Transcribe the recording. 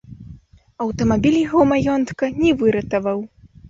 Аўтамабіль яго маёнтка не выратаваў.